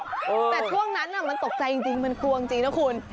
แต่ช่วงนั้นมันตกใจจริงมันกลัวจริงนะคุณ